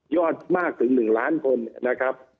อดมากถึง๑ล้านคนนะครับ